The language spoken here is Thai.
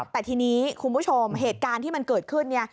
แต่ทีนี้คุณผู้ชมเหตุการณ์ที่มันเกิดขึ้นเนี่ย